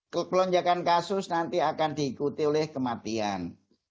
kelonjakan kasus nanti akan diikuti oleh kematian